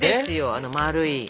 あの丸い。